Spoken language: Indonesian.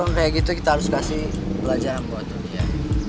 orang kayak gitu kita harus kasih pelajaran buat dia